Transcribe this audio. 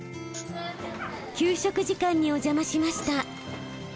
給食時間にお邪魔しました。